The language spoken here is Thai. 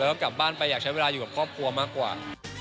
แล้วก็กลับบ้านไปอยากใช้เวลาอยู่กับครอบครัวมากกว่า